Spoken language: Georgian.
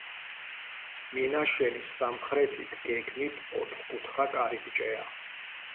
მინაშენის სამხრეთით გეგმით ოთხკუთხა კარიბჭეა.